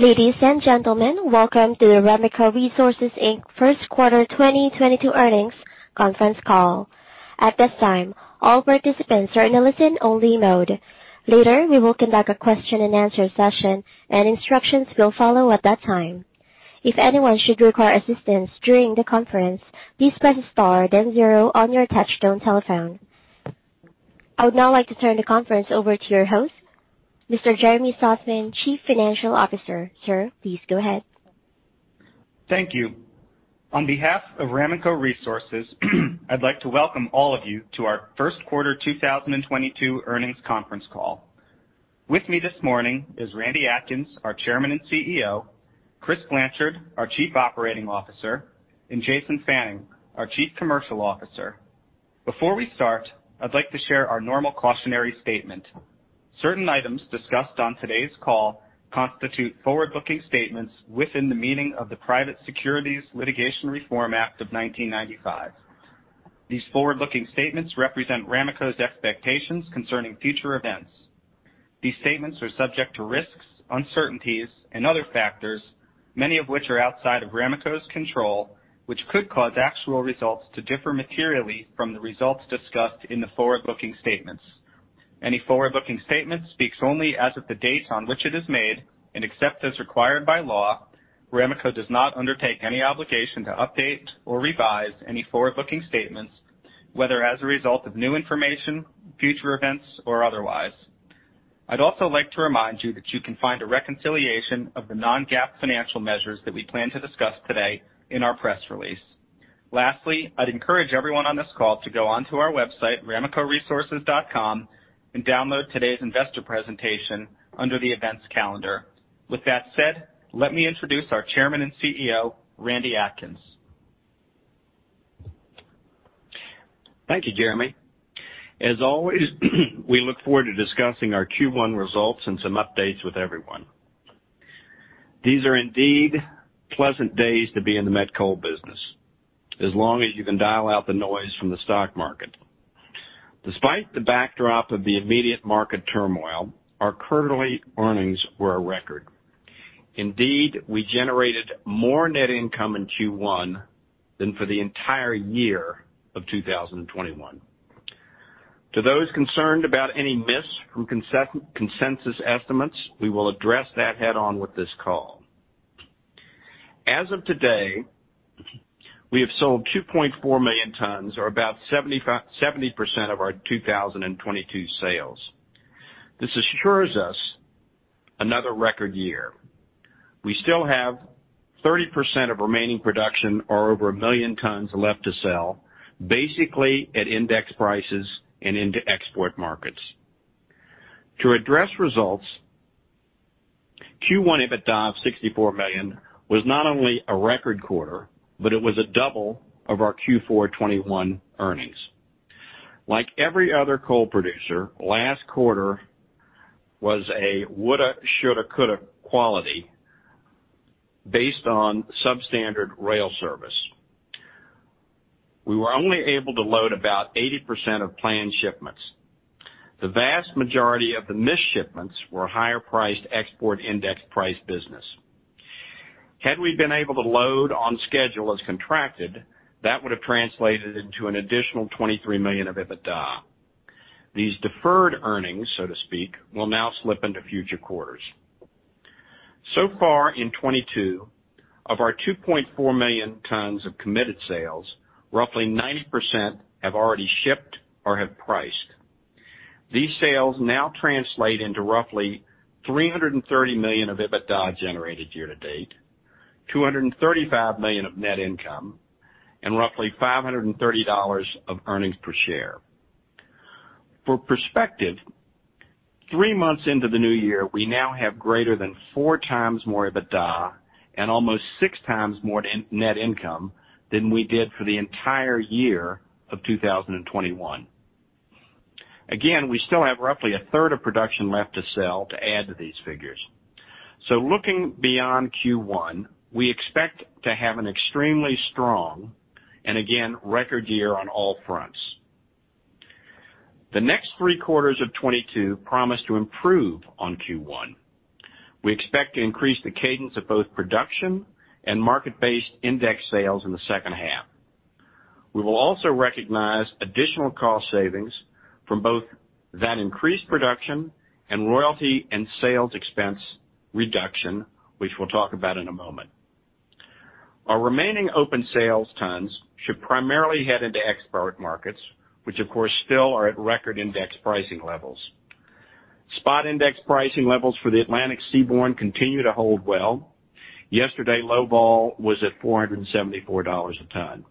Ladies and gentlemen, welcome to the Ramaco Resources, Inc. first quarter 2022 earnings conference call. At this time, all participants are in a listen-only mode. Later, we will conduct a question and answer session and instructions will follow at that time. If anyone should require assistance during the conference, please press star then zero on your touchtone telephone. I would now like to turn the conference over to your host, Mr. Jeremy Sussman, Chief Financial Officer. Sir, please go ahead. Thank you. On behalf of Ramaco Resources, I'd like to welcome all of you to our first quarter 2022 earnings conference call. With me this morning is Randy Atkins, our Chairman and CEO, Chris Blanchard, our Chief Operating Officer, and Jason Fannin, our Chief Commercial Officer. Before we start, I'd like to share our normal cautionary statement. Certain items discussed on today's call constitute forward-looking statements within the meaning of the Private Securities Litigation Reform Act of 1995. These forward-looking statements represent Ramaco's expectations concerning future events. These statements are subject to risks, uncertainties, and other factors, many of which are outside of Ramaco's control, which could cause actual results to differ materially from the results discussed in the forward-looking statements. Any forward-looking statement speaks only as of the date on which it is made, and except as required by law, Ramaco does not undertake any obligation to update or revise any forward-looking statements, whether as a result of new information, future events, or otherwise. I'd also like to remind you that you can find a reconciliation of the non-GAAP financial measures that we plan to discuss today in our press release. Lastly, I'd encourage everyone on this call to go onto our website, ramacoresources.com, and download today's investor presentation under the events calendar. With that said, let me introduce our Chairman and CEO, Randy Atkins. Thank you, Jeremy. As always, we look forward to discussing our Q1 results and some updates with everyone. These are indeed pleasant days to be in the met coal business, as long as you can dial out the noise from the stock market. Despite the backdrop of the immediate market turmoil, our quarterly earnings were a record. Indeed, we generated more net income in Q1 than for the entire year of 2021. To those concerned about any miss from consensus estimates, we will address that head on with this call. As of today, we have sold 2.4 million tons or about 70% of our 2022 sales. This assures us another record year. We still have 30% of remaining production or over one million tons left to sell, basically at index prices and into export markets. To address results, Q1 EBITDA of $64 million was not only a record quarter, but it was a double of our Q4 2021 earnings. Like every other coal producer, last quarter was a woulda, shoulda, coulda quarter based on substandard rail service. We were only able to load about 80% of planned shipments. The vast majority of the missed shipments were higher priced export index price business. Had we been able to load on schedule as contracted, that would have translated into an additional $23 million of EBITDA. These deferred earnings, so to speak, will now slip into future quarters. So far in 2022, of our 2.4 million tons of committed sales, roughly 90% have already shipped or have priced. These sales now translate into roughly $330 million of EBITDA generated year to date, $235 million of net income, and roughly $5.30 of earnings per share. For perspective, three months into the new year, we now have greater than 4x more EBITDA and almost 6x more net income than we did for the entire year of 2021. Again, we still have roughly a third of production left to sell to add to these figures. Looking beyond Q1, we expect to have an extremely strong and again, record year on all fronts. The next three quarters of 2022 promise to improve on Q1. We expect to increase the cadence of both production and market-based index sales in the second half. We will also recognize additional cost savings from both that increased production and royalty and sales expense reduction, which we'll talk about in a moment. Our remaining open sales tons should primarily head into export markets, which of course still are at record index pricing levels. Spot index pricing levels for the Atlantic Seaborne continue to hold well. Yesterday, low vol was at $474 a ton.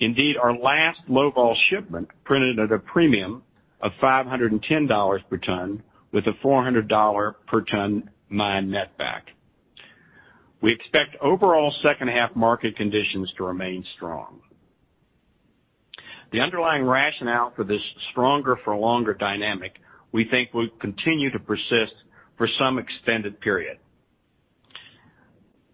Indeed, our last low vol shipment printed at a premium of $510 per ton with a $400 per ton mine netback. We expect overall second half market conditions to remain strong. The underlying rationale for this stronger for longer dynamic we think will continue to persist for some extended period.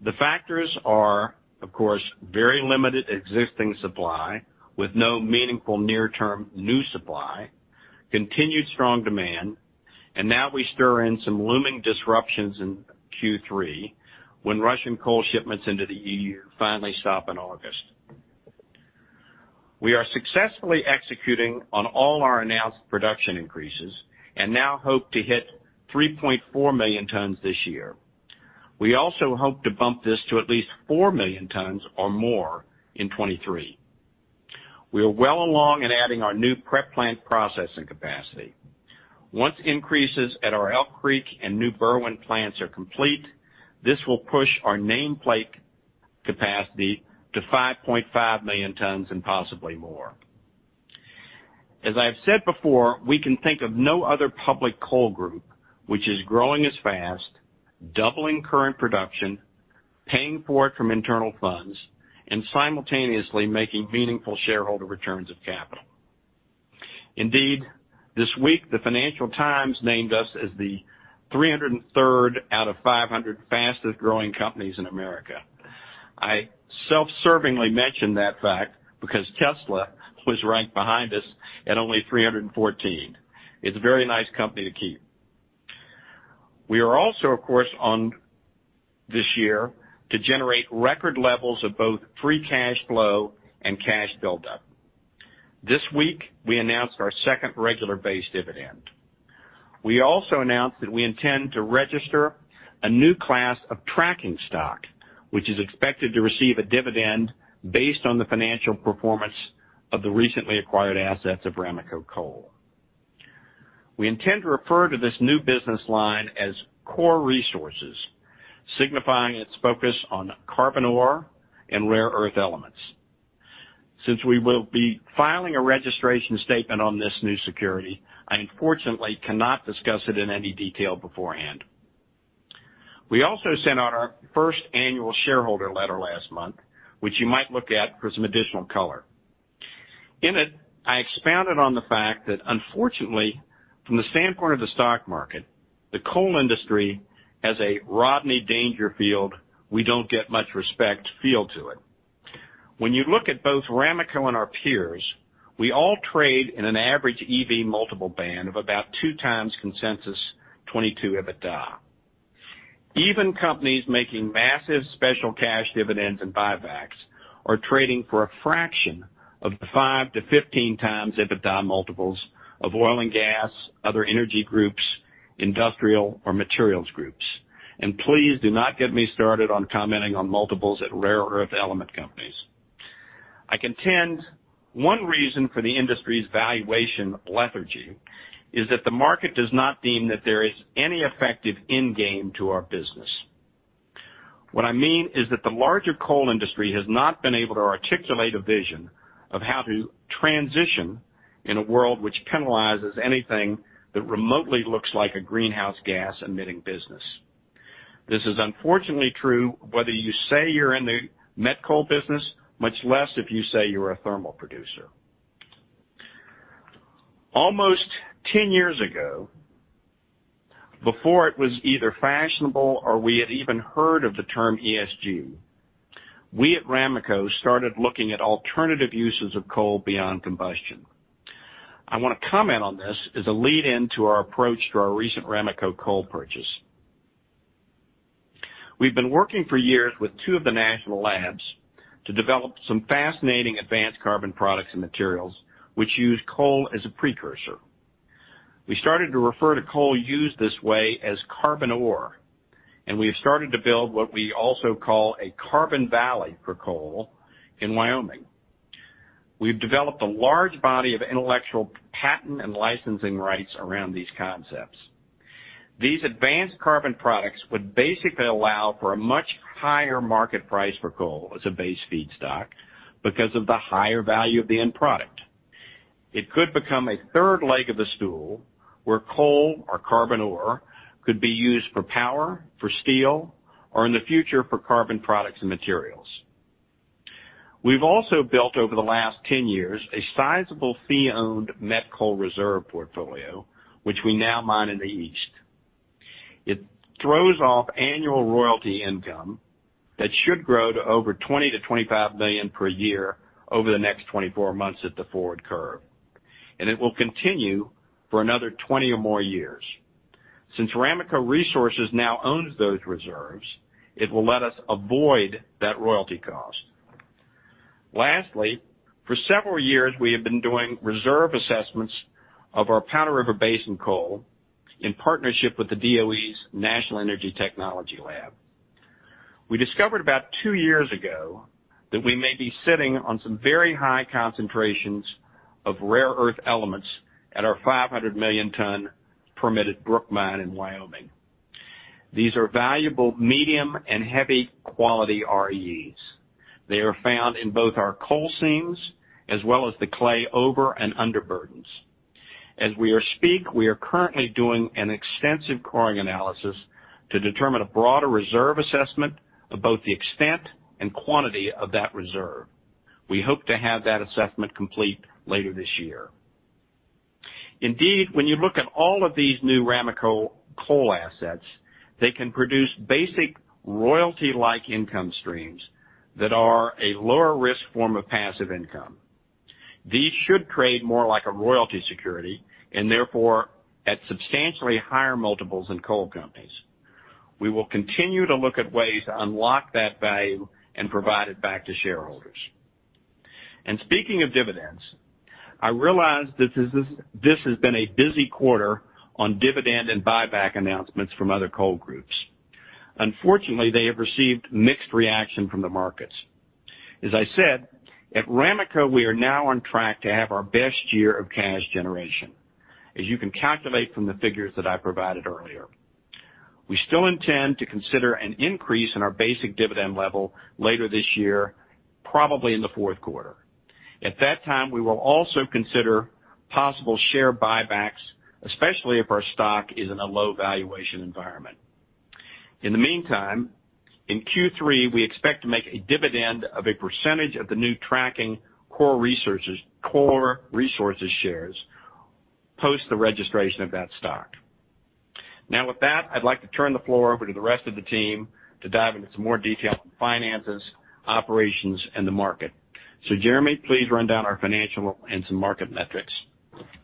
The factors are, of course, very limited existing supply with no meaningful near-term new supply, continued strong demand, and now we stir in some looming disruptions in Q3 when Russian coal shipments into the EU finally stop in August. We are successfully executing on all our announced production increases and now hope to hit 3.4 million tons this year. We also hope to bump this to at least four million tons or more in 2023. We are well along in adding our new prep plant processing capacity. Once increases at our Elk Creek and new Berwind plants are complete, this will push our nameplate capacity to 5.5 million tons and possibly more. As I have said before, we can think of no other public coal group which is growing as fast, doubling current production, paying for it from internal funds, and simultaneously making meaningful shareholder returns of capital. Indeed, this week, the Financial Times named us as the 303rd out of 500 fastest-growing companies in America. I self-servingly mention that fact because Tesla was right behind us at only 314. It's a very nice company to keep. We are also, of course, on track this year to generate record levels of both free cash flow and cash buildup. This week, we announced our second regular base dividend. We also announced that we intend to register a new class of tracking stock, which is expected to receive a dividend based on the financial performance of the recently acquired assets of Ramaco Coal. We intend to refer to this new business line as CORE Resources, signifying its focus on carbon ore and rare earth elements. Since we will be filing a registration statement on this new security, I unfortunately cannot discuss it in any detail beforehand. We also sent out our first annual shareholder letter last month, which you might look at for some additional color. In it, I expounded on the fact that unfortunately, from the standpoint of the stock market, the coal industry has a Rodney Dangerfield. We get no respect. When you look at both Ramaco and our peers, we all trade in an average EV multiple band of about 2x consensus 2022 EBITDA. Even companies making massive special cash dividends and buybacks are trading for a fraction of the 5-15x EBITDA multiples of oil and gas, other energy groups, industrial, or materials groups. Please do not get me started on commenting on multiples at rare earth element companies. I contend one reason for the industry's valuation lethargy is that the market does not deem that there is any effective end game to our business. What I mean is that the larger coal industry has not been able to articulate a vision of how to transition in a world which penalizes anything that remotely looks like a greenhouse gas emitting business. This is unfortunately true whether you say you're in the met coal business, much less if you say you are a thermal producer. Almost 10 years ago, before it was either fashionable or we had even heard of the term ESG, we at Ramaco started looking at alternative uses of coal beyond combustion. I wanna comment on this as a lead-in to our approach to our recent Ramaco Coal purchase. We've been working for years with two of the national labs to develop some fascinating advanced carbon products and materials which use coal as a precursor. We started to refer to coal used this way as carbon ore, and we have started to build what we also call a Carbon Valley for coal in Wyoming. We've developed a large body of intellectual patent and licensing rights around these concepts. These advanced carbon products would basically allow for a much higher market price for coal as a base feedstock because of the higher value of the end product. It could become a third leg of the stool where coal or carbon ore could be used for power, for steel, or in the future, for carbon products and materials. We've also built, over the last 10 years, a sizable fee-owned met coal reserve portfolio, which we now mine in the East. It throws off annual royalty income that should grow to over $20-$25 million per year over the next 24 months at the forward curve, and it will continue for another 20 or more years. Since Ramaco Resources now owns those reserves, it will let us avoid that royalty cost. Lastly, for several years, we have been doing reserve assessments of our Powder River Basin Coal in partnership with the DOE's National Energy Technology Laboratory. We discovered about two years ago that we may be sitting on some very high concentrations of rare earth elements at our 500-million-ton permitted Brook Mine in Wyoming. These are valuable medium and heavy quality REEs. They are found in both our coal seams as well as the clay over and under burdens. As we speak, we are currently doing an extensive coring analysis to determine a broader reserve assessment of both the extent and quantity of that reserve. We hope to have that assessment complete later this year. Indeed, when you look at all of these new Ramaco coal assets, they can produce basic royalty-like income streams that are a lower risk form of passive income. These should trade more like a royalty security and therefore at substantially higher multiples than coal companies. We will continue to look at ways to unlock that value and provide it back to shareholders. Speaking of dividends, I realize this has been a busy quarter on dividend and buyback announcements from other coal groups. Unfortunately, they have received mixed reaction from the markets. As I said, at Ramaco, we are now on track to have our best year of cash generation, as you can calculate from the figures that I provided earlier. We still intend to consider an increase in our basic dividend level later this year, probably in the fourth quarter. At that time, we will also consider possible share buybacks, especially if our stock is in a low valuation environment. In the meantime, in Q3, we expect to make a dividend of a percentage of the new tracking CORE Resources core resources shares post the registration of that stock. Now, with that, I'd like to turn the floor over to the rest of the team to dive into some more detail on finances, operations, and the market. Jeremy, please run down our financial and some market metrics.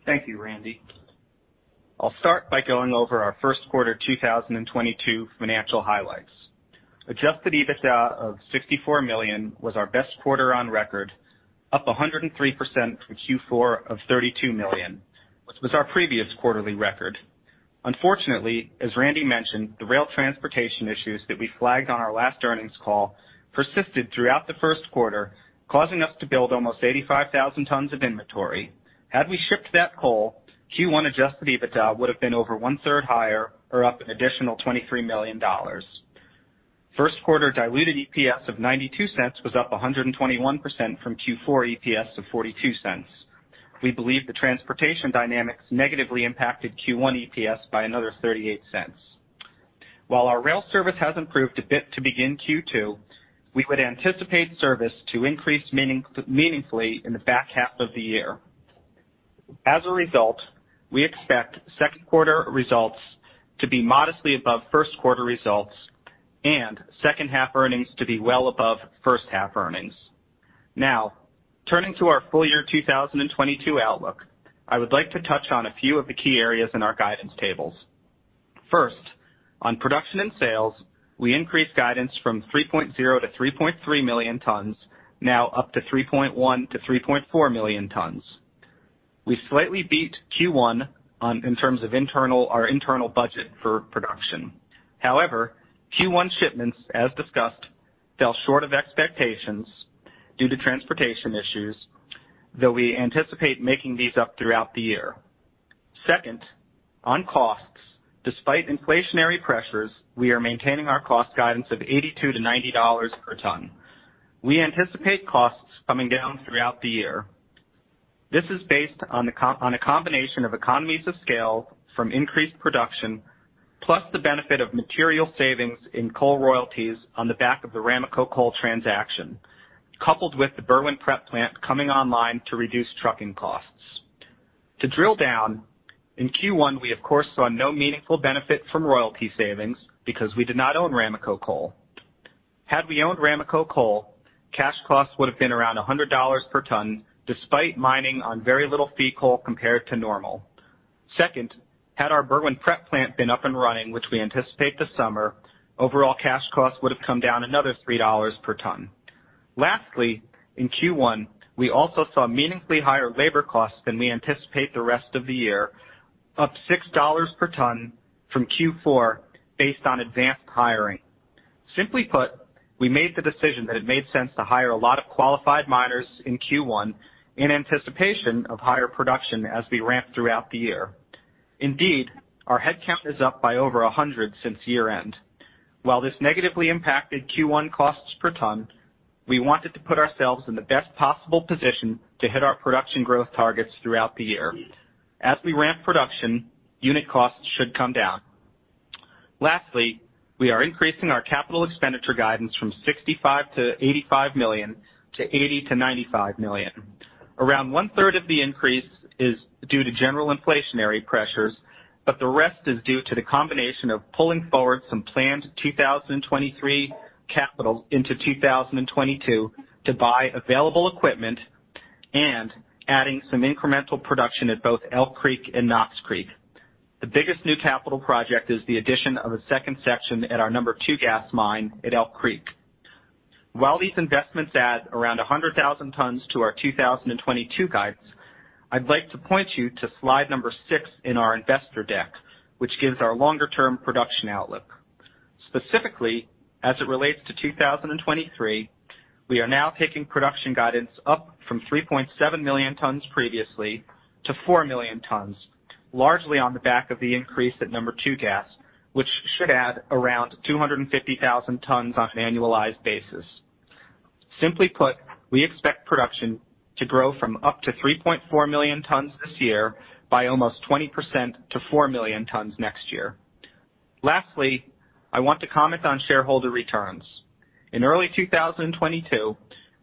Thank you, Randy. I'll start by going over our first quarter 2022 financial highlights. Adjusted EBITDA of $64 million was our best quarter on record, up 103% from Q4 of $32 million, which was our previous quarterly record. Unfortunately, as Randy mentioned, the rail transportation issues that we flagged on our last earnings call persisted throughout the first quarter, causing us to build almost 85,000 tons of inventory. Had we shipped that coal, Q1 adjusted EBITDA would have been over one-third higher or up an additional $23 million. First quarter diluted EPS of $0.92 was up 121% from Q4 EPS of $0.42. We believe the transportation dynamics negatively impacted Q1 EPS by another $0.38. While our rail service has improved a bit to begin Q2, we would anticipate service to increase meaningfully in the back half of the year. As a result, we expect second quarter results to be modestly above first quarter results and second half earnings to be well above first half earnings. Now, turning to our full year 2022 outlook, I would like to touch on a few of the key areas in our guidance tables. First, on production and sales, we increased guidance from 3.0-3.3 million tons, now up to 3.1-3.4 million tons. We slightly beat Q1 on our internal budget for production. However, Q1 shipments, as discussed, fell short of expectations due to transportation issues, though we anticipate making these up throughout the year. Second, on costs, despite inflationary pressures, we are maintaining our cost guidance of $82-$90 per ton. We anticipate costs coming down throughout the year. This is based on a combination of economies of scale from increased production, plus the benefit of material savings in coal royalties on the back of the Ramaco Coal transaction, coupled with the Berwind prep plant coming online to reduce trucking costs. To drill down, in Q1, we, of course, saw no meaningful benefit from royalty savings because we did not own Ramaco Coal. Had we owned Ramaco Coal, cash costs would have been around $100 per ton, despite mining on very little fee coal compared to normal. Second, had our Berwind prep plant been up and running, which we anticipate this summer, overall cash costs would have come down another $3 per ton. Lastly, in Q1, we also saw meaningfully higher labor costs than we anticipate the rest of the year, up $6 per ton from Q4 based on advanced hiring. Simply put, we made the decision that it made sense to hire a lot of qualified miners in Q1 in anticipation of higher production as we ramp throughout the year. Indeed, our headcount is up by over 100 since year-end. While this negatively impacted Q1 costs per ton, we wanted to put ourselves in the best possible position to hit our production growth targets throughout the year. As we ramp production, unit costs should come down. Lastly, we are increasing our capital expenditure guidance from $65 million-$85 million to $80 million-$95 million. Around 1/3 of the increase is due to general inflationary pressures, but the rest is due to the combination of pulling forward some planned 2023 capital into 2022 to buy available equipment and adding some incremental production at both Elk Creek and Knox Creek. The biggest new capital project is the addition of a second section at our number two gas mine at Elk Creek. While these investments add around 100,000 tons to our 2022 guidance, I'd like to point you to slide number six in our investor deck, which gives our longer-term production outlook. Specifically, as it relates to 2023, we are now taking production guidance up from 3.7 million tons previously to 4 million tons, largely on the back of the increase at number two gas, which should add around 250,000 tons on an annualized basis. Simply put, we expect production to grow from up to 3.4 million tons this year by almost 20% to 4 million tons next year. Lastly, I want to comment on shareholder returns. In early 2022,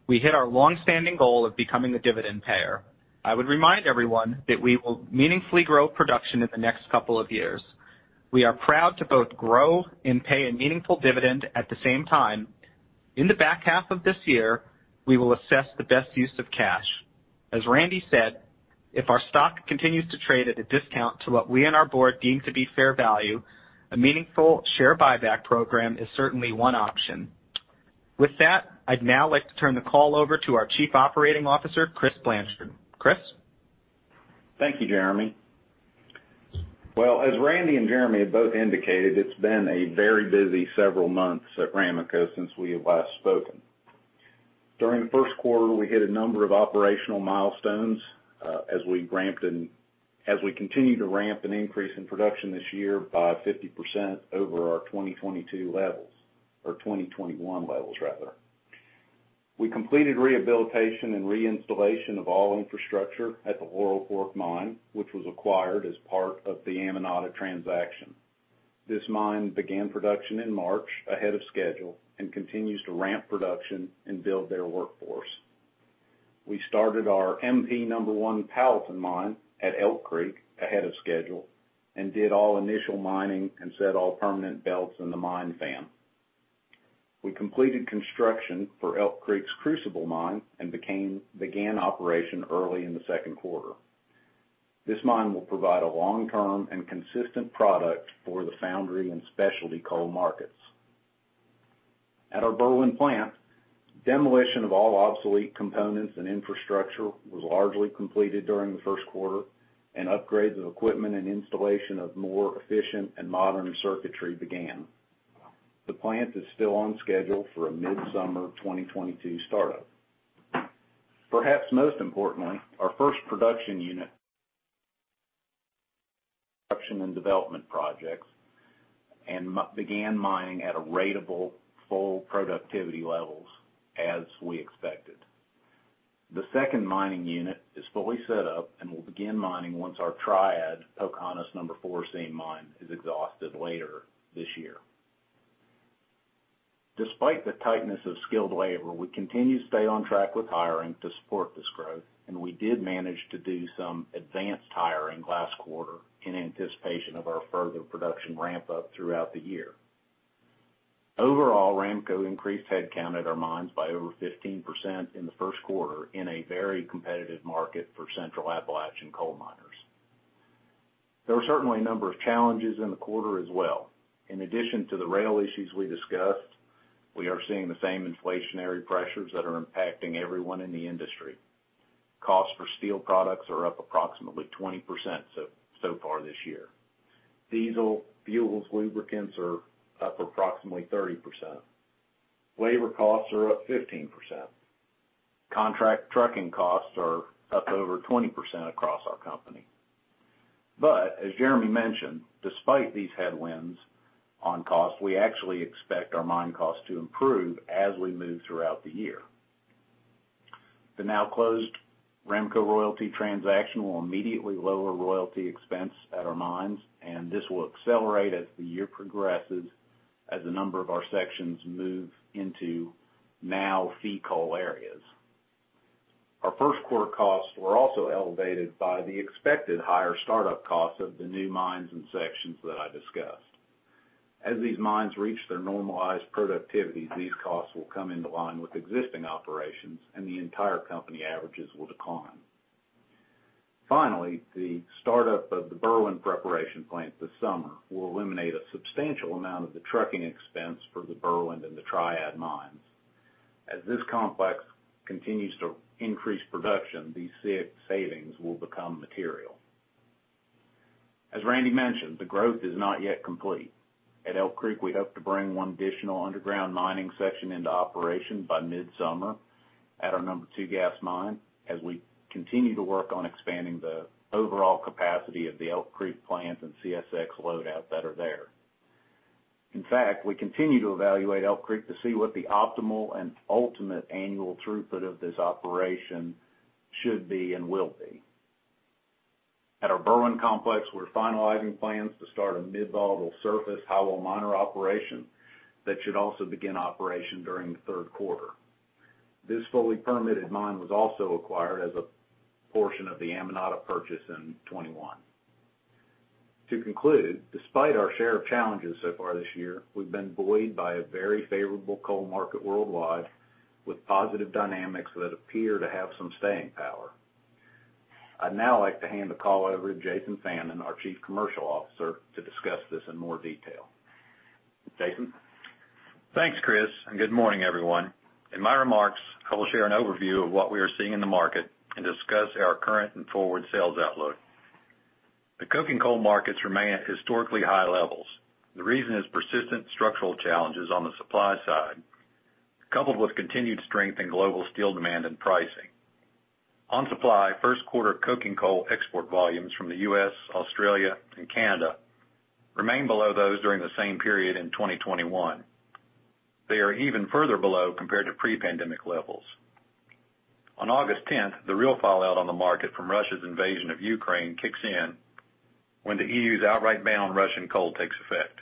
we hit our longstanding goal of becoming a dividend payer. I would remind everyone that we will meaningfully grow production in the next couple of years. We are proud to both grow and pay a meaningful dividend at the same time. In the back half of this year, we will assess the best use of cash. As Randy said, if our stock continues to trade at a discount to what we and our board deem to be fair value, a meaningful share buyback program is certainly one option. With that, I'd now like to turn the call over to our Chief Operating Officer, Chris Blanchard. Chris? Thank you, Jeremy. Well, as Randy and Jeremy have both indicated, it's been a very busy several months at Ramaco since we have last spoken. During the first quarter, we hit a number of operational milestones, as we continue to ramp an increase in production this year by 50% over our 2022 levels, or 2021 levels rather. We completed rehabilitation and reinstallation of all infrastructure at the Laurel Fork Mine, which was acquired as part of the Amonate transaction. This mine began production in March ahead of schedule and continues to ramp production and build their workforce. We started our MP number one Powellton Mine at Elk Creek ahead of schedule and did all initial mining and set all permanent belts in the mine fan. We completed construction for Elk Creek's Crucible Mine and began operation early in the second quarter. This mine will provide a long-term and consistent product for the foundry and specialty coal markets. At our Berwind plant, demolition of all obsolete components and infrastructure was largely completed during the first quarter, and upgrades of equipment and installation of more efficient and modern circuitry began. The plant is still on schedule for a mid-summer 2022 startup. Perhaps most importantly, our first production unit and development projects began mining at a ratable full productivity levels as we expected. The second mining unit is fully set up and will begin mining once our Triad Pocahontas number four seam mine is exhausted later this year. Despite the tightness of skilled labor, we continue to stay on track with hiring to support this growth, and we did manage to do some advanced hiring last quarter in anticipation of our further production ramp-up throughout the year. Overall, Ramaco increased headcount at our mines by over 15% in the first quarter in a very competitive market for Central Appalachian coal miners. There were certainly a number of challenges in the quarter as well. In addition to the rail issues we discussed, we are seeing the same inflationary pressures that are impacting everyone in the industry. Costs for steel products are up approximately 20% so far this year. Diesel fuels lubricants are up approximately 30%. Labor costs are up 15%. Contract trucking costs are up over 20% across our company. As Jeremy mentioned, despite these headwinds on cost, we actually expect our mine costs to improve as we move throughout the year. The now closed Ramaco royalty transaction will immediately lower royalty expense at our mines, and this will accelerate as the year progresses as a number of our sections move into non-fee coal areas. Our first quarter costs were also elevated by the expected higher startup costs of the new mines and sections that I discussed. As these mines reach their normalized productivity, these costs will come into line with existing operations, and the entire company averages will decline. Finally, the startup of the Berwind preparation plant this summer will eliminate a substantial amount of the trucking expense for the Berwind and the Triad mines. As this complex continues to increase production, these savings will become material. As Randy mentioned, the growth is not yet complete. At Elk Creek, we hope to bring 1 additional underground mining section into operation by mid-summer at our number two gas mine as we continue to work on expanding the overall capacity of the Elk Creek plant and CSX load out that are there. In fact, we continue to evaluate Elk Creek to see what the optimal and ultimate annual throughput of this operation should be and will be. At our Berwind complex, we're finalizing plans to start a mid-volatile surface highwall miner operation that should also begin operation during the third quarter. This fully permitted mine was also acquired as a portion of the Amonate purchase in 2021. To conclude, despite our share of challenges so far this year, we've been buoyed by a very favorable coal market worldwide with positive dynamics that appear to have some staying power. I'd now like to hand the call over to Jason Fannin, our Chief Commercial Officer, to discuss this in more detail. Jason? Thanks, Chris, and good morning, everyone. In my remarks, I will share an overview of what we are seeing in the market and discuss our current and forward sales outlook. The coking coal markets remain at historically high levels. The reason is persistent structural challenges on the supply side, coupled with continued strength in global steel demand and pricing. On supply, first quarter coking coal export volumes from the U.S., Australia, and Canada remain below those during the same period in 2021. They are even further below compared to pre-pandemic levels. On August tenth, the real fallout on the market from Russia's invasion of Ukraine kicks in when the E.U.'s outright ban on Russian coal takes effect.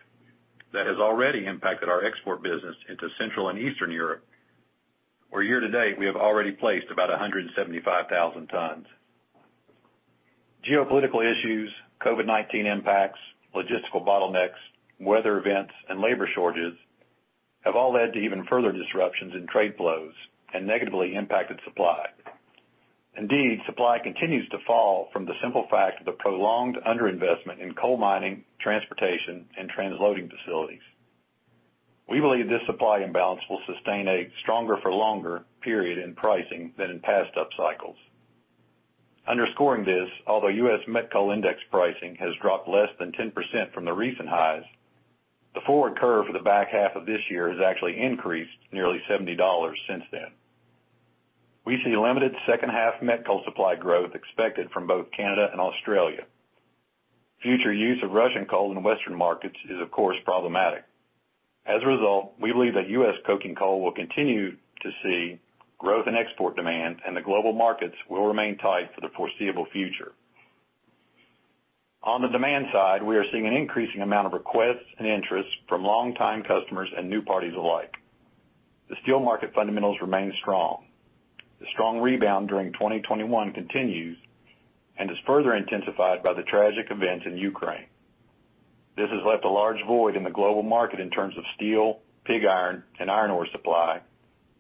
That has already impacted our export business into Central and Eastern Europe, where year to date, we have already placed about 175,000 tons. Geopolitical issues, COVID-19 impacts, logistical bottlenecks, weather events, and labor shortages have all led to even further disruptions in trade flows and negatively impacted supply. Indeed, supply continues to fall from the simple fact of the prolonged under-investment in coal mining, transportation, and transloading facilities. We believe this supply imbalance will sustain a stronger for longer period in pricing than in past up cycles. Underscoring this, although U.S. met coal index pricing has dropped less than 10% from the recent highs, the forward curve for the back half of this year has actually increased nearly $70 since then. We see limited second half met coal supply growth expected from both Canada and Australia. Future use of Russian coal in Western markets is, of course, problematic. As a result, we believe that U.S. coking coal will continue to see growth in export demand, and the global markets will remain tight for the foreseeable future. On the demand side, we are seeing an increasing amount of requests and interest from longtime customers and new parties alike. The steel market fundamentals remain strong. The strong rebound during 2021 continues and is further intensified by the tragic events in Ukraine. This has left a large void in the global market in terms of steel, pig iron, and iron ore supply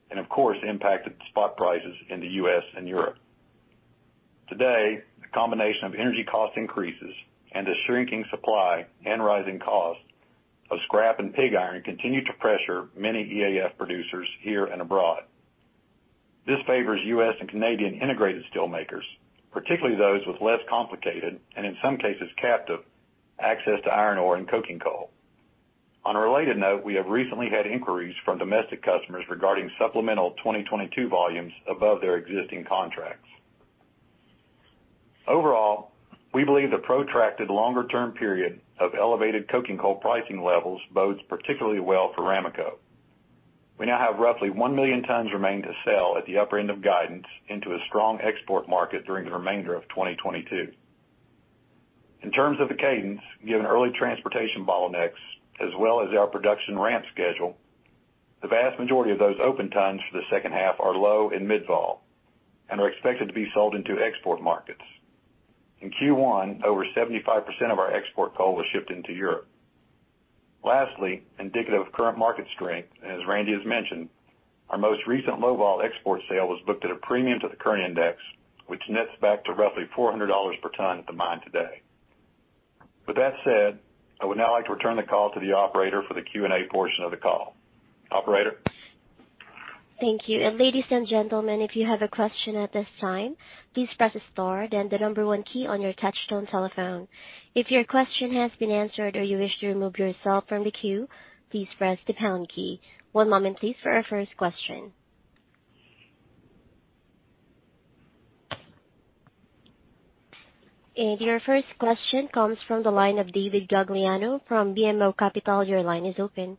and of course impacted spot prices in the U.S. and Europe. Today, the combination of energy cost increases and the shrinking supply and rising costs of scrap and pig iron continue to pressure many EAF producers here and abroad. This favors U.S. and Canadian integrated steel makers, particularly those with less complicated, and in some cases, captive access to iron ore and coking coal. On a related note, we have recently had inquiries from domestic customers regarding supplemental 2022 volumes above their existing contracts. Overall, we believe the protracted longer-term period of elevated coking coal pricing levels bodes particularly well for Ramaco. We now have roughly one million tons remaining to sell at the upper end of guidance into a strong export market during the remainder of 2022. In terms of the cadence, given early transportation bottlenecks as well as our production ramp schedule, the vast majority of those open tons for the second half are low and mid-vol and are expected to be sold into export markets. In Q1, over 75% of our export coal was shipped into Europe. Lastly, indicative of current market strength, as Randy has mentioned, our most recent low vol export sale was booked at a premium to the current index, which nets back to roughly $400 per ton at the mine today. With that said, I would now like to return the call to the operator for the Q&A portion of the call. Operator? Thank you. Ladies and gentlemen, if you have a question at this time, please press star then the number one key on your touchtone telephone. If your question has been answered or you wish to remove yourself from the queue, please press the pound key. One moment please for our first question. Your first question comes from the line of David Gagliano from BMO Capital. Your line is open.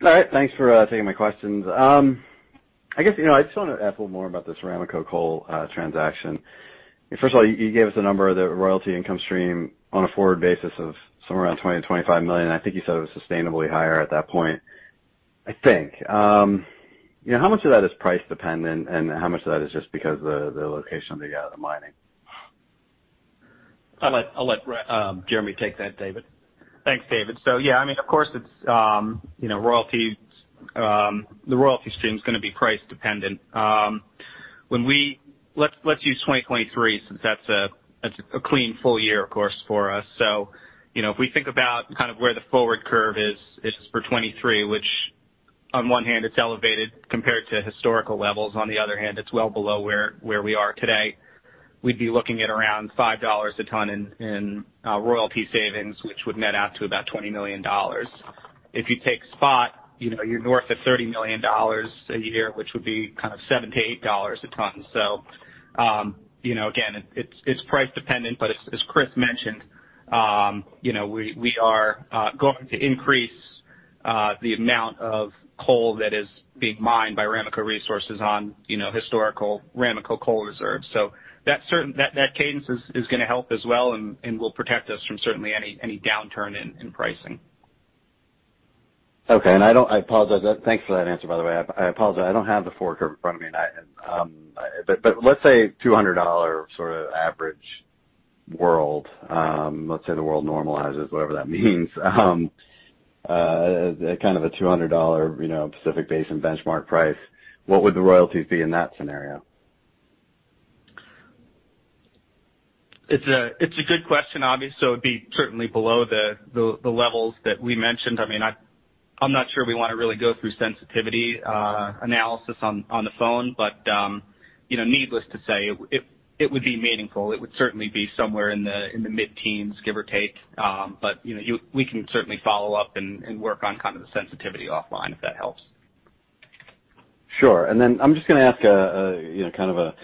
All right, thanks for taking my questions. I guess, you know, I just want to ask a little more about this Ramaco Coal transaction. First of all, you gave us a number of the royalty income stream on a forward basis of somewhere around $20million-$25 million. I think you said it was sustainably higher at that point, I think. You know, how much of that is price dependent, and how much of that is just because of the location of the mining? I'll let Jeremy take that, David. Thanks, David. Yeah, I mean, of course, it's you know royalty the royalty stream is gonna be price dependent. Let's use 2023 since that's a clean full year, of course, for us. You know, if we think about kind of where the forward curve is for 2023, which on one hand is elevated compared to historical levels, on the other hand, it's well below where we are today, we'd be looking at around $5 a ton in royalty savings, which would net out to about $20 million. If you take spot, you know, you're north of $30 million a year, which would be kind of $7-$8 a ton. you know, again, it's price dependent, but as Chris mentioned, you know, we are going to increase the amount of coal that is being mined by Ramaco Resources on, you know, historical Ramaco coal reserves. That cadence is gonna help as well and will protect us from certainly any downturn in pricing. Okay. I apologize. Thanks for that answer, by the way. I apologize. I don't have the forward curve in front of me, but let's say $200 sort of average world. Let's say the world normalizes, whatever that means. Kind of a $200, you know, Pacific Basin benchmark price. What would the royalties be in that scenario? It's a good question, obviously. It'd be certainly below the levels that we mentioned. I mean, I'm not sure we wanna really go through sensitivity analysis on the phone. You know, needless to say, it would be meaningful. It would certainly be somewhere in the mid-teens, give or take. You know, we can certainly follow up and work on kind of the sensitivity offline, if that helps. Sure. Then I'm just gonna ask a, you know, kind of a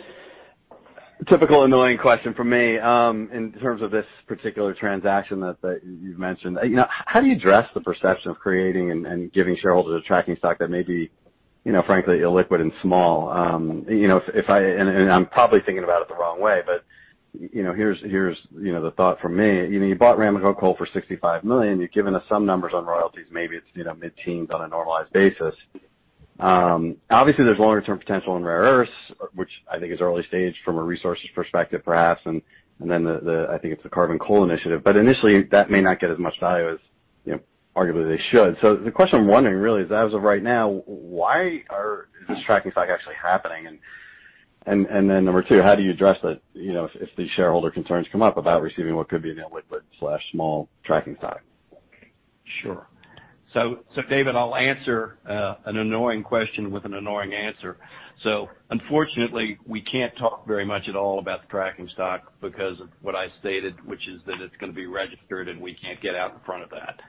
typical annoying question from me, in terms of this particular transaction that you've mentioned. You know, how do you address the perception of creating and giving shareholders a tracking stock that may be, you know, frankly, illiquid and small? You know, and I'm probably thinking about it the wrong way, but, you know, here's, you know, the thought from me. You know, you bought Ramaco Coal for $65 million. You've given us some numbers on royalties, maybe it's, you know, mid-teens on a normalized basis. Obviously, there's longer term potential in rare earths, which I think is early stage from a resources perspective, perhaps. Then the, I think, it's the carbon ore initiative. Initially, that may not get as much value as, you know, arguably they should. The question I'm wondering really is, as of right now, why is this tracking stock actually happening? And then number two, how do you address that, you know, if the shareholder concerns come up about receiving what could be an illiquid/small tracking stock? Sure. David, I'll answer an annoying question with an annoying answer. Unfortunately, we can't talk very much at all about the tracking stock because of what I stated, which is that it's gonna be registered, and we can't get out in front of that.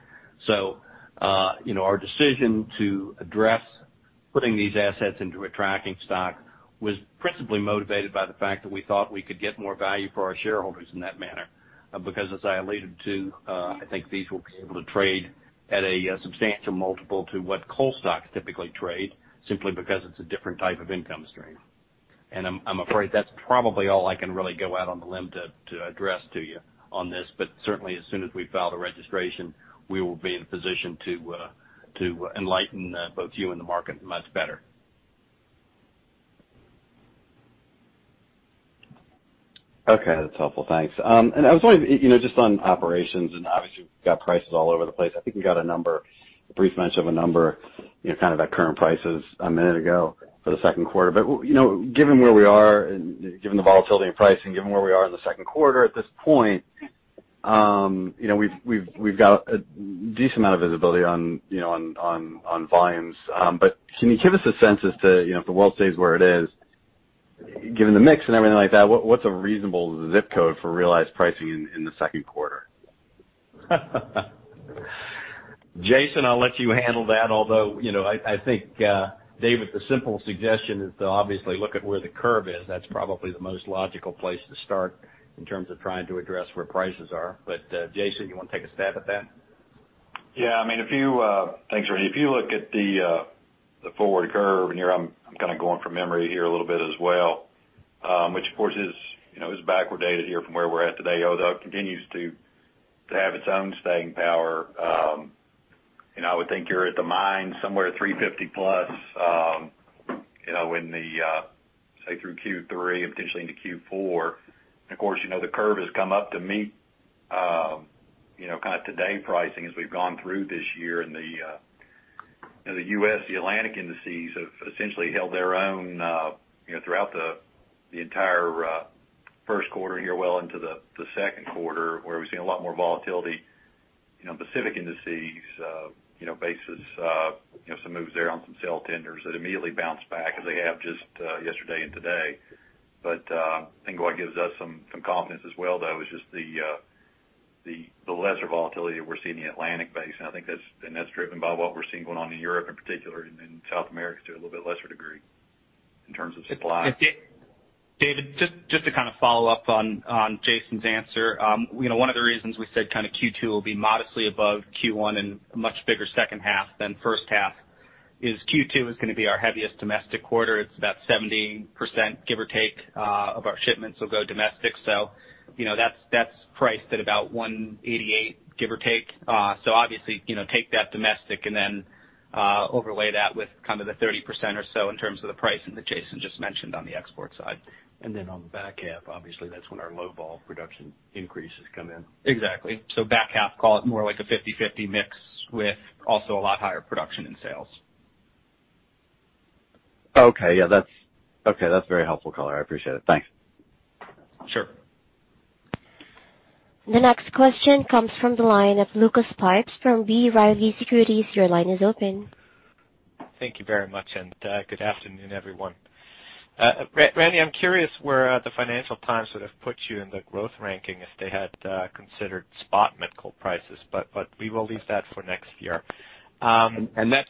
You know, our decision to address putting these assets into a tracking stock was principally motivated by the fact that we thought we could get more value for our shareholders in that manner. Because as I alluded to, I think these will be able to trade at a substantial multiple to what coal stocks typically trade simply because it's a different type of income stream. I'm afraid that's probably all I can really go out on the limb to address to you on this. Certainly as soon as we file the registration, we will be in a position to enlighten both you and the market much better. Okay. That's helpful. Thanks. And I was wondering, you know, just on operations, and obviously you've got prices all over the place. I think we got a number, a brief mention of a number, you know, kind of at current prices a minute ago for the second quarter. You know, given where we are and given the volatility in pricing, given where we are in the second quarter at this point, you know, we've got a decent amount of visibility on, you know, on volumes. Can you give us a sense as to, you know, if the world stays where it is, given the mix and everything like that, what's a reasonable ZIP Code for realized pricing in the second quarter? Jason, I'll let you handle that. Although, you know, I think, David, the simple suggestion is to obviously look at where the curve is. That's probably the most logical place to start in terms of trying to address where prices are. But, Jason, you wanna take a stab at that? Yeah, I mean, thanks, Randy. If you look at the forward curve, and here I'm kinda going from memory here a little bit as well, which of course is, you know, backward dated here from where we're at today, although it continues to have its own staying power. I would think you're at the mine somewhere $350+, you know, in the, say, through Q3 and potentially into Q4. Of course, you know, the curve has come up to meet, you know, kind of today pricing as we've gone through this year. The U.S., the Atlantic indices have essentially held their own, you know, throughout the entire first quarter here well into the second quarter, where we've seen a lot more volatility, you know, in Pacific indices, you know, basis some moves there on some sale tenders that immediately bounce back as they have just yesterday and today. But I think what gives us some confidence as well, though, is just the lesser volatility that we're seeing in the Atlantic basin. I think that's driven by what we're seeing going on in Europe in particular and then South America to a little bit lesser degree in terms of supply. David, just to kind of follow up on Jason's answer. You know, one of the reasons we said kind of Q2 will be modestly above Q1 and a much bigger second half than first half is Q2 is gonna be our heaviest domestic quarter. It's about 70%, give or take, of our shipments will go domestic. You know, that's priced at about $188, give or take. Obviously, you know, take that domestic and then overlay that with kind of the 30% or so in terms of the pricing that Jason just mentioned on the export side. On the back half, obviously that's when our low-vol production increases come in. Exactly. Back half call it more like a 50/50 mix with also a lot higher production in sales. Okay. Yeah, that's very helpful color. I appreciate it. Thanks. Sure. The next question comes from the line of Lucas Pipes from B. Riley Securities. Your line is open. Thank you very much, good afternoon, everyone. Randy, I'm curious where the Financial Times would have put you in the growth ranking if they had considered spot met coal prices, but we will leave that for next year. That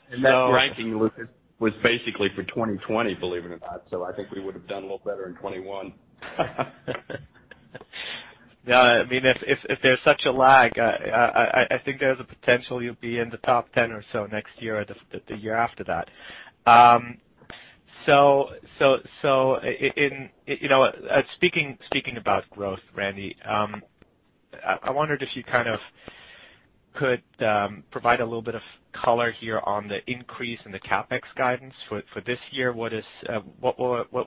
ranking, Lucas, was basically for 2020, believe it or not. I think we would have done a little better in 2021. No, I mean, if there's such a lag, I think there's a potential you'll be in the top 10 or so next year or the year after that. So, in you know speaking about growth, Randy, I wondered if you kind of could provide a little bit of color here on the increase in the CapEx guidance for this year. What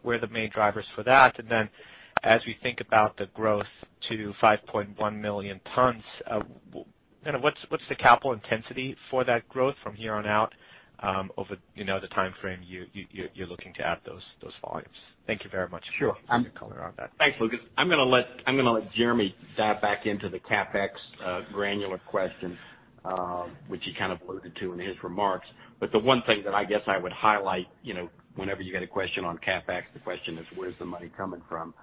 were the main drivers for that? And then as we think about the growth to 5.1 million tons, kind of what's the capital intensity for that growth from here on out, over, you know, the timeframe you're looking to add those volumes? Thank you very much. Sure. for your color on that. Thanks, Lucas. I'm gonna let Jeremy dive back into the CapEx granular question, which he kind of alluded to in his remarks. The one thing that I guess I would highlight, you know, whenever you get a question on CapEx, the question is where's the money coming from?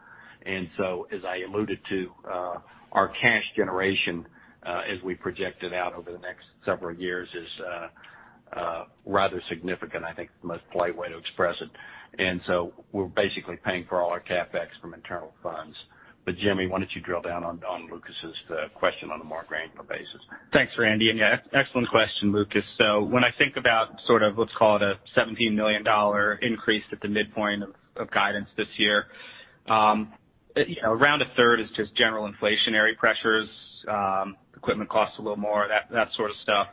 As I alluded to, our cash generation, as we project it out over the next several years is, Rather significant, I think the most polite way to express it. We're basically paying for all our CapEx from internal funds. Jeremy, why don't you drill down on Lucas's question on a more granular basis? Thanks, Randy. Yeah, excellent question, Lucas. When I think about sort of, let's call it a $17 million increase at the midpoint of guidance this year, around a third is just general inflationary pressures, equipment costs a little more, that sort of stuff.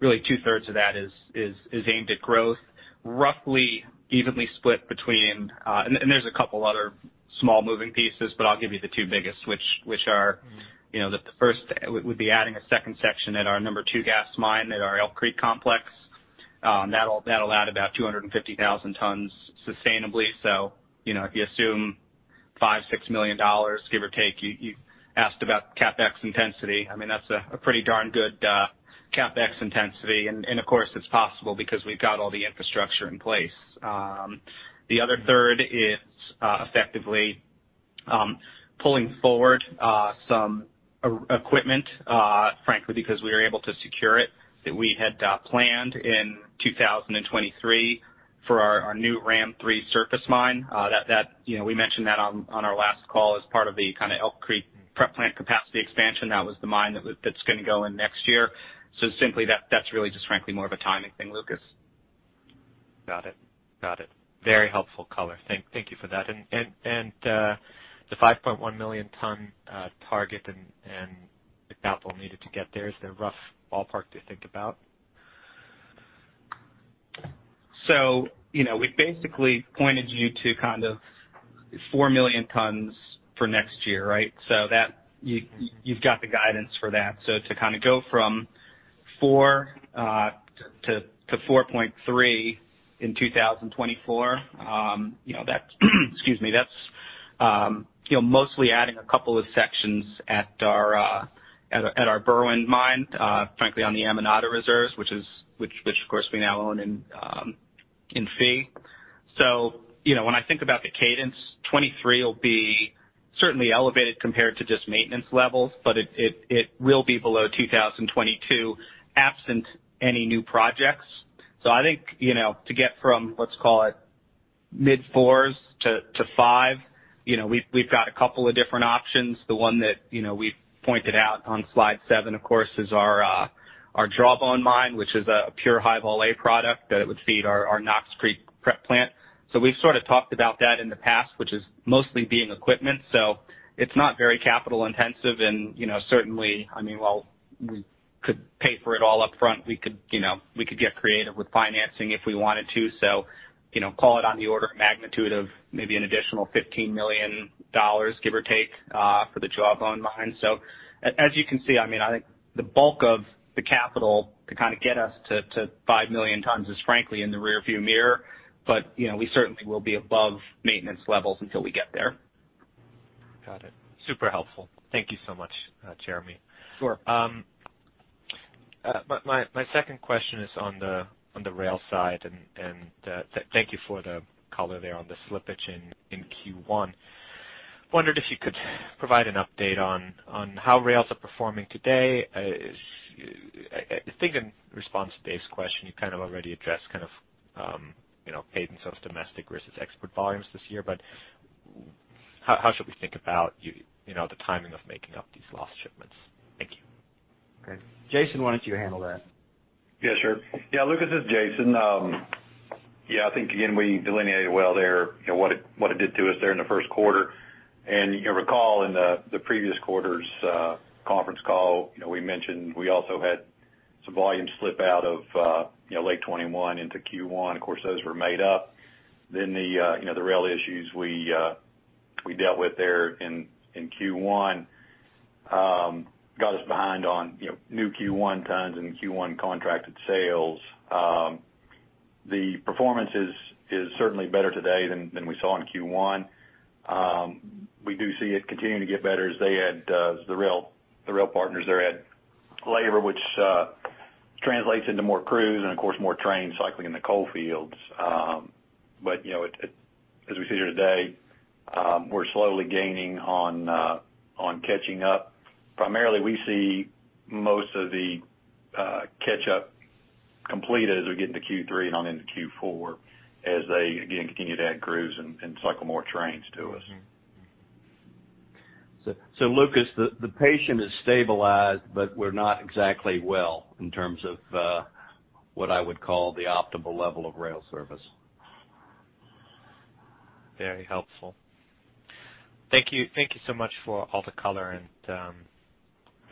Really two-thirds of that is aimed at growth, roughly evenly split between, and there's a couple other small moving pieces, but I'll give you the two biggest, which are, you know, the first would be adding a second section at our number two gas mine at our Elk Creek Complex, that'll add about 250,000 tons sustainably. You know, if you assume $5million-$6 million, give or take, you asked about CapEx intensity. I mean, that's a pretty darn good CapEx intensity. Of course, it's possible because we've got all the infrastructure in place. The other third is effectively pulling forward some equipment, frankly, because we were able to secure it, that we had planned in 2023 for our new Ram Three surface mine. You know, we mentioned that on our last call as part of the kind of Elk Creek prep plant capacity expansion. That was the mine that's going to go in next year. Simply that's really just frankly more of a timing thing, Lucas. Got it. Very helpful color. Thank you for that. The 5.1 million ton target and the capital needed to get there, is there a rough ballpark to think about? You know, we basically pointed you to kind of four million tons for next year, right? That you- Mm-hmm. You've got the guidance for that. To kind of go from four-4.3 in 2024, you know, excuse me, that's you know, mostly adding a couple of sections at our Berwind mine, frankly, on the Amonate reserves, which, of course, we now own in fee. You know, when I think about the cadence, 2023 will be certainly elevated compared to just maintenance levels, but it will be below 2022 absent any new projects. I think, you know, to get from, let's call it mid-fours to five, you know, we've got a couple of different options. The one that, you know, we pointed out on slide seven, of course, is our Jawbone Mine, which is a pure high vol A product that it would feed our Knox Creek prep plant. We've sort of talked about that in the past, which is mostly being equipment. It's not very capital intensive. You know, certainly, I mean, while we could pay for it all upfront, we could, you know, we could get creative with financing if we wanted to. You know, call it on the order of magnitude of maybe an additional $15 million, give or take, for the Jawbone Mine. As you can see, I mean, I think the bulk of the capital to kind of get us to 5 million tons is frankly in the rearview mirror. You know, we certainly will be above maintenance levels until we get there. Got it. Super helpful. Thank you so much, Jeremy. Sure. My second question is on the rail side, and thank you for the color there on the slippage in Q1. Wondered if you could provide an update on how rails are performing today. I think in response to Dave's question, you kind of already addressed the cadence of domestic versus export volumes this year, but how should we think about, you know, the timing of making up these lost shipments? Thank you. Okay. Jason, why don't you handle that? Yeah, sure. Yeah, Lucas, this is Jason. Yeah, I think, again, we delineated well there, you know, what it did to us there in the first quarter. You recall in the previous quarter's conference call, you know, we mentioned we also had some volume slip out of, you know, late 2021 into Q1. Of course, those were made up. The rail issues we dealt with there in Q1 got us behind on, you know, new Q1 tons and Q1 contracted sales. The performance is certainly better today than we saw in Q1. We do see it continuing to get better as the rail partners there add labor, which translates into more crews and of course, more trains cycling in the coal fields. You know, as we sit here today, we're slowly gaining on catching up. Primarily, we see most of the catch up complete as we get into Q3 and on into Q4 as they again continue to add crews and cycle more trains to us. Mm-hmm. Lucas, the patient is stabilized, but we're not exactly well in terms of what I would call the optimal level of rail service. Very helpful. Thank you. Thank you so much for all the color, and,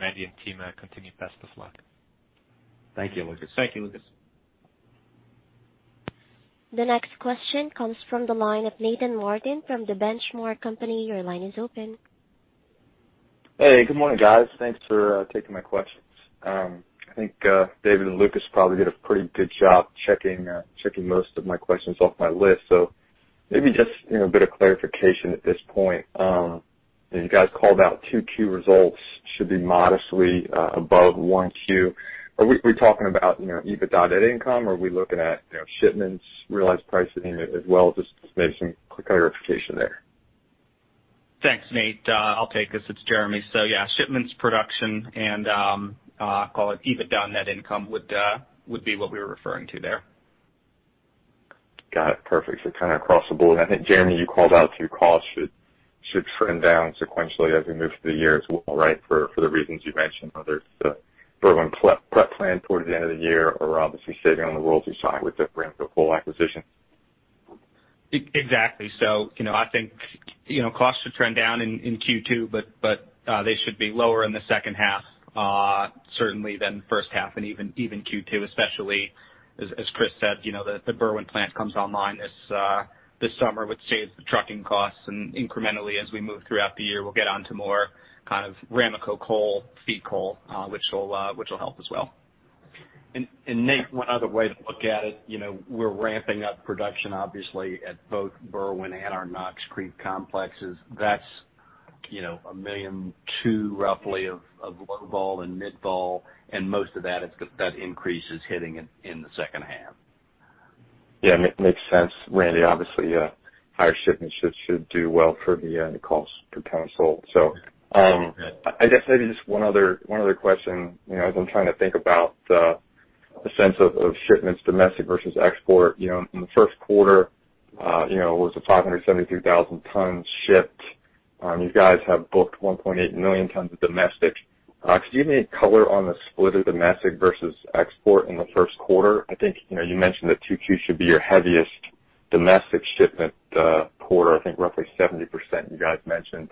Randy and team, I continue best of luck. Thank you, Lucas. Thank you, Lucas. The next question comes from the line of Nathan Martin from The Benchmark Company. Your line is open. Hey, good morning, guys. Thanks for taking my questions. I think David and Lucas probably did a pretty good job checking most of my questions off my list. Maybe just, you know, a bit of clarification at this point. You guys called out 2Q results should be modestly above 1Q. Are we talking about, you know, EBITDA net income, or are we looking at, you know, shipments, realized pricing as well? Just maybe some clarification there. Thanks, Nate. I'll take this. It's Jeremy. Yeah, shipments, production and call it EBITDA net income would be what we were referring to there. Got it. Perfect. Kind of across the board. I think, Jeremy, you called out your costs should trend down sequentially as we move through the year as well, right? For the reasons you mentioned, whether it's the Berwind plant toward the end of the year or obviously saving on the rail side with the Ramaco Coal acquisition. Exactly. You know, I think costs should trend down in Q2, but they should be lower in the second half, certainly than the first half and even Q2 especially as Chris said, you know, the Berwind plant comes online this summer, which saves the trucking costs. Incrementally, as we move throughout the year, we'll get onto more kind of Ramaco Coal feed coal, which will help as well. Nate, one other way to look at it, you know, we're ramping up production obviously at both Berwind and our Knox Creek complexes. That's, you know, 1.2 million roughly of low vol and mid vol, and most of that increase is hitting in the second half. Yeah, makes sense, Randy. Obviously, higher shipments should do well for the costs per ton sold. I guess maybe just one other question. You know, as I'm trying to think about the sense of shipments domestic versus export. You know, in the first quarter, you know, it was 573,000 tons shipped. You guys have booked 1.8 million tons of domestic. Could you give me any color on the split of domestic versus export in the first quarter? I think, you know, you mentioned that 2Q should be your heaviest domestic shipment quarter. I think roughly 70% you guys mentioned.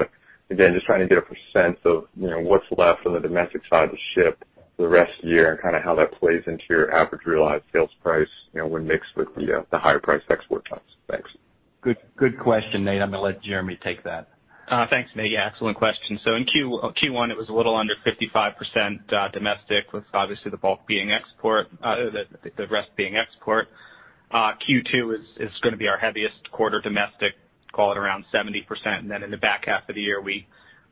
Again, just trying to get a sense of, you know, what's left on the domestic side to ship for the rest of the year and kind of how that plays into your average realized sales price, you know, when mixed with the higher priced export tons. Thanks. Good, good question, Nate. I'm gonna let Jeremy take that. Thanks, Nate. Yeah, excellent question. In Q1, it was a little under 55%, domestic, with obviously the bulk being export, the rest being export. Q2 is gonna be our heaviest quarter domestic, call it around 70%. Then in the back half of the year,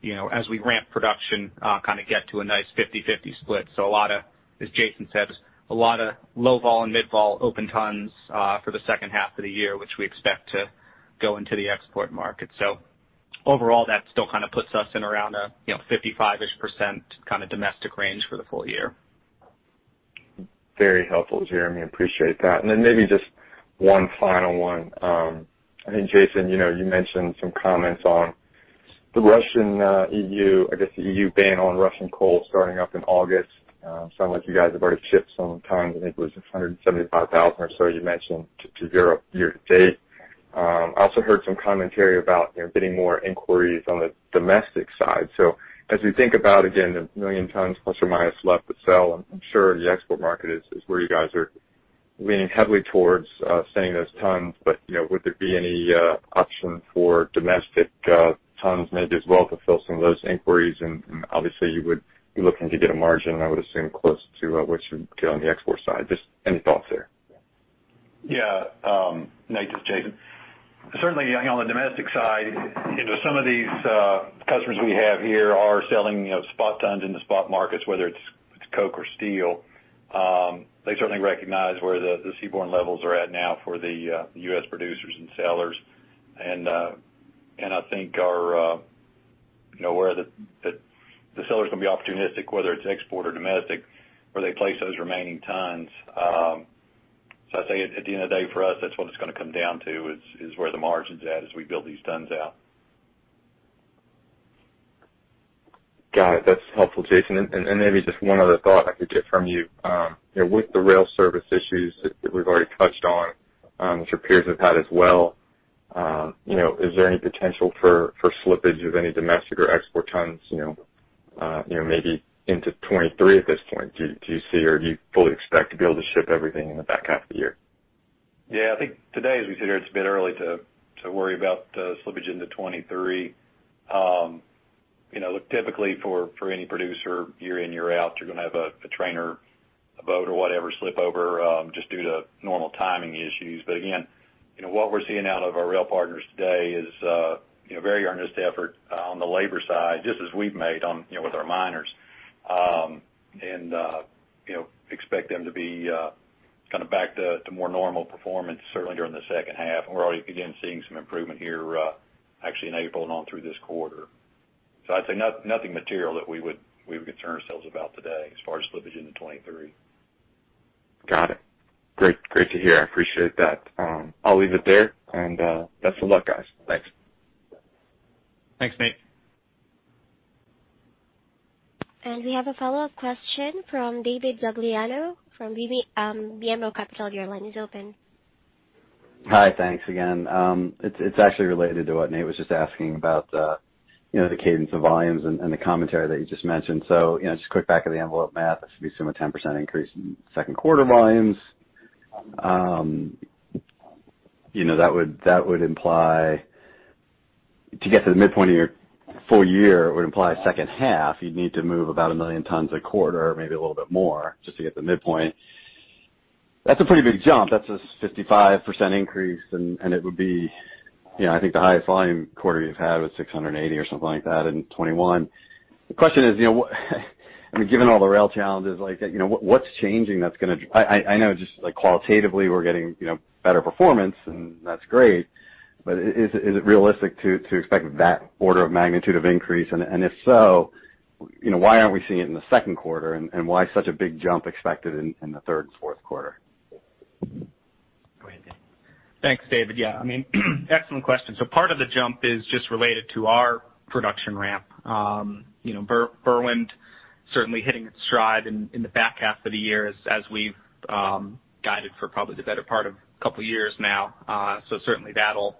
you know, as we ramp production, kind of get to a nice 50-50 split. A lot of, as Jason said, a lot of low vol and mid vol open tons, for the second half of the year, which we expect to go into the export market. Overall, that still kind of puts us in around a, you know, 55-ish% kind of domestic range for the full year. Very helpful, Jeremy. Appreciate that. Then maybe just one final one. I think, Jason, you know, you mentioned some comments on the Russian, EU, I guess the EU ban on Russian coal starting up in August. It sounds like you guys have already shipped some tons. I think it was 175,000 or so you mentioned to Europe year to date. I also heard some commentary about, you know, getting more inquiries on the domestic side. As we think about, again, the 1 million tons plus or minus left to sell, I'm sure the export market is where you guys are leaning heavily towards sending those tons. You know, would there be any option for domestic tons maybe as well to fill some of those inquiries? Obviously you would be looking to get a margin, I would assume, close to what you get on the export side. Just any thoughts there? Yeah. Nate, this is Jason. Certainly on the domestic side, you know, some of these customers we have here are selling, you know, spot tons in the spot markets, whether it's coke or steel. They certainly recognize where the seaborne levels are at now for the U.S. producers and sellers. I think, you know, where the sellers can be opportunistic, whether it's export or domestic, where they place those remaining tons. I'd say at the end of the day, for us, that's what it's gonna come down to is where the margin's at as we build these tons out. Got it. That's helpful, Jason. Maybe just one other thought I could get from you. You know, with the rail service issues that we've already touched on, which our peers have had as well, you know, is there any potential for slippage of any domestic or export tons, you know, you know, maybe into 2023 at this point? Do you see or do you fully expect to be able to ship everything in the back half of the year? Yeah. I think today, as we sit here, it's a bit early to worry about the slippage into 2023. You know, look, typically for any producer year in, year out, you're gonna have a train or a boat or whatever slip over, just due to normal timing issues. Again, you know, what we're seeing out of our rail partners today is, you know, very earnest effort on the labor side, just as we've made on, you know, with our miners. You know, expect them to be kind of back to more normal performance certainly during the second half. We're already beginning seeing some improvement here, actually in April and on through this quarter. I'd say nothing material that we would concern ourselves about today as far as slippage into 2023. Got it. Great to hear. I appreciate that. I'll leave it there. Best of luck, guys. Thanks. Thanks, Nate. We have a follow-up question from David Gagliano from BMO Capital. Your line is open. Hi. Thanks again. It's actually related to what Nate was just asking about, you know, the cadence of volumes and the commentary that you just mentioned. You know, just quick back of the envelope math, assuming a 10% increase in second quarter volumes, you know, that would imply to get to the midpoint of your full year would imply second half you'd need to move about one million tons a quarter, maybe a little bit more just to get the midpoint. That's a pretty big jump. That's a 55% increase, and it would be, you know, I think the highest volume quarter you've had was 680 or something like that in 2021. The question is, you know, I mean, given all the rail challenges like that, you know, what's changing that's gonna. I know just like qualitatively we're getting, you know, better performance and that's great, but is it realistic to expect that order of magnitude of increase? If so, you know, why aren't we seeing it in the second quarter and why such a big jump expected in the third and fourth quarter? Go ahead, Jeremy Sussman. Thanks, David. Yeah, I mean, excellent question. Part of the jump is just related to our production ramp. You know, Berwind certainly hitting its stride in the back half of the year as we've guided for probably the better part of a couple years now. Certainly that'll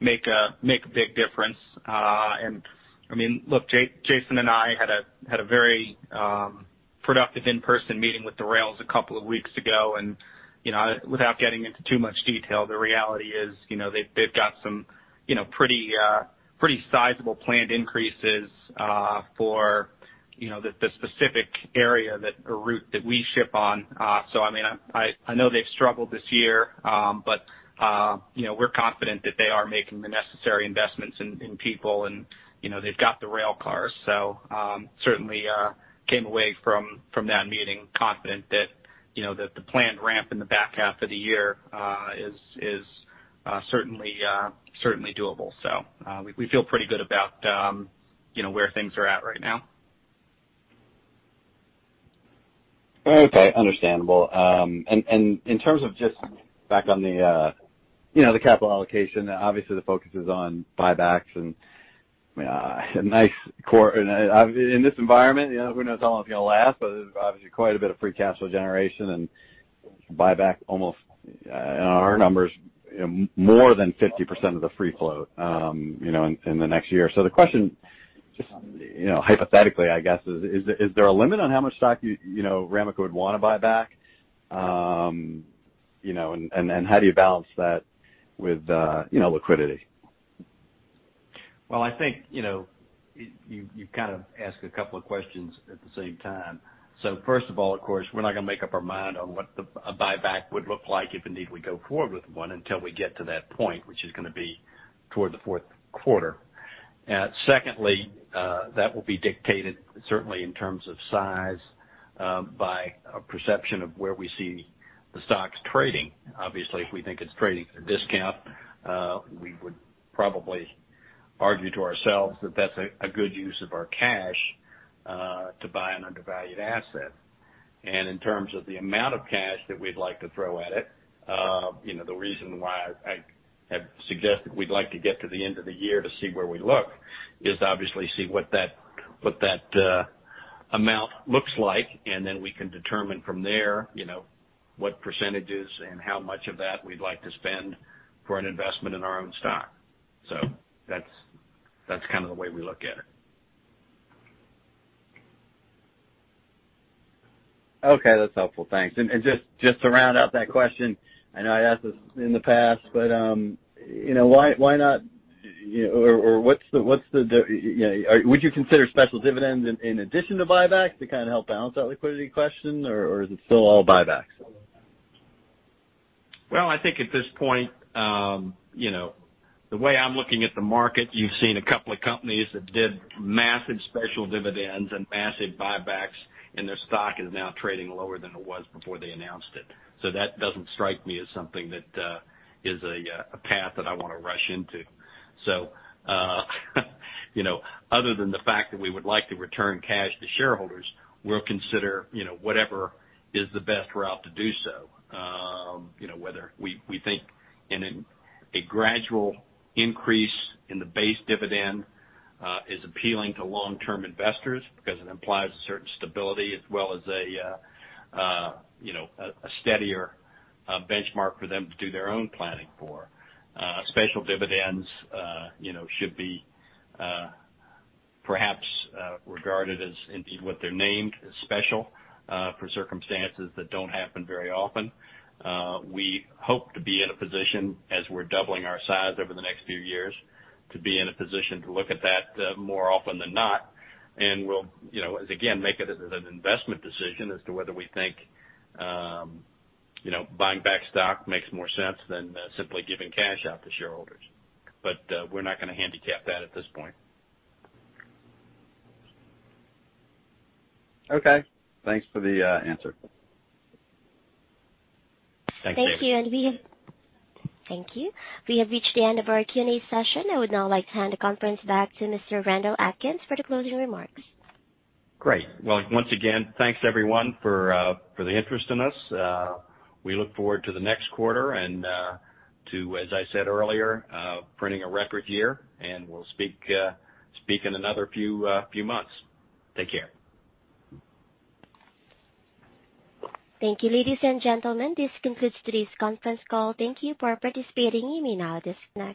make a big difference. I mean, look, Jason and I had a very productive in-person meeting with the rails a couple of weeks ago, and you know, without getting into too much detail, the reality is, you know, they've got some pretty sizable planned increases for the specific area that our route that we ship on. I mean, I know they've struggled this year, but you know, we're confident that they are making the necessary investments in people and you know, they've got the rail cars. Certainly came away from that meeting confident that you know, that the planned ramp in the back half of the year is certainly doable. We feel pretty good about you know, where things are at right now. Okay. Understandable. In terms of just back on the, you know, the capital allocation, obviously the focus is on buybacks and, I mean, in this environment, you know, who knows how long it's gonna last, but there's obviously quite a bit of free cash flow generation and buyback almost, in our numbers more than 50% of the free float, you know, in the next year. So the question just, you know, hypothetically, I guess is there a limit on how much stock you know, Ramaco would wanna buy back? And how do you balance that with, you know, liquidity? Well, I think, you know, you've kind of asked a couple of questions at the same time. First of all, of course, we're not gonna make up our mind on what a buyback would look like if indeed we go forward with one until we get to that point, which is gonna be toward the fourth quarter. Secondly, that will be dictated certainly in terms of size by a perception of where we see the stocks trading. Obviously, if we think it's trading at a discount, we would probably argue to ours elves that that's a good use of our cash to buy an undervalued asset. In terms of the amount of cash that we'd like to throw at it, you know, the reason why I have suggested we'd like to get to the end of the year to see where we look is obviously see what that amount looks like, and then we can determine from there, you know, what percentages and how much of that we'd like to spend for an investment in our own stock. So that's kind of the way we look at it. Okay. That's helpful. Thanks. Just to round out that question, I know I asked this in the past, but, you know, why not, you know, or what's the, you know. Would you consider special dividends in addition to buyback to kind of help balance that liquidity question? Or is it still all buybacks? Well, I think at this point, you know, the way I'm looking at the market, you've seen a couple of companies that did massive special dividends and massive buybacks, and their stock is now trading lower than it was before they announced it. That doesn't strike me as something that is a path that I wanna rush into. You know, other than the fact that we would like to return cash to shareholders, we'll consider, you know, whatever is the best route to do so. You know, whether we think a gradual increase in the base dividend is appealing to long-term investors because it implies a certain stability as well as a steadier benchmark for them to do their own planning for. Special dividends, you know, should be, perhaps, regarded as indeed what they're named, as special, for circumstances that don't happen very often. We hope to be in a position, as we're doubling our size over the next few years, to be in a position to look at that, more often than not. We'll, you know, as again, make it as an investment decision as to whether we think, you know, buying back stock makes more sense than, simply giving cash out to shareholders. We're not gonna handicap that at this point. Okay. Thanks for the answer. Thanks. Thank you. We have reached the end of our Q&A session. I would now like to hand the conference back to Mr. Randall Atkins for the closing remarks. Great. Well, once again, thanks everyone for the interest in us. We look forward to the next quarter and to, as I said earlier, printing a record year, and we'll speak in another few months. Take care. Thank you. Ladies and gentlemen, this concludes today's conference call. Thank you for participating. You may now disconnect.